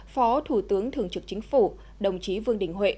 phó thủ tướng thường trực chính phủ đồng chí vương đình huệ